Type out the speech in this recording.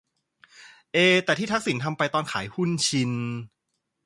เอ แต่ที่ทักษิณทำไปตอนขายหุ้นชิน